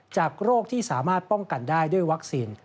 โรคที่สามารถป้องกันได้ด้วยวัคซีน